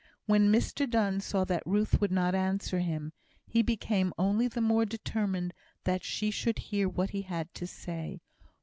When Mr Donne saw that Ruth would not answer him, he became only the more determined that she should hear what he had to say.